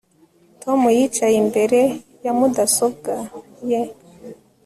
Tom yicaye imbere ya mudasobwa ye